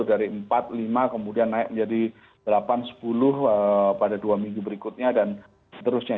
dari empat lima kemudian naik menjadi delapan sepuluh pada dua minggu berikutnya dan seterusnya